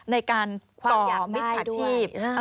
ในการต่อมิตรศาสตร์ชีพ